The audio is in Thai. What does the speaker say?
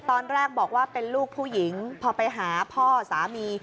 ตอนแรกบอกว่าเป็นลูกผู้หญิงพอไปหาพ่อสามี